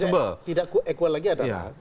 yang tidak ekual lagi adalah